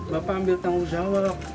bapak ambil tanggung jawab